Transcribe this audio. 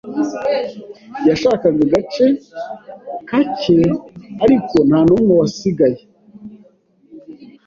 Yashakaga agace kake, ariko ntanumwe wasigaye.